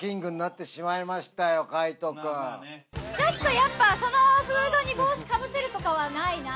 やっぱそのフードに帽子かぶせるとかはないなぁ。